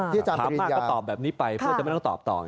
ถามมากก็ตอบแบบนี้ไปเพราะว่าจะไม่ต้องตอบต่อ